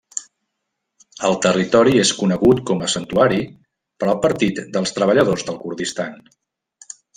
El territori és conegut com a santuari per al Partit dels Treballadors del Kurdistan.